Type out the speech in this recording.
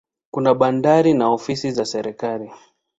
Kuna bandari na ofisi za serikali.